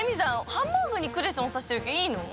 ハンバーグにクレソンさしてるけどいいの？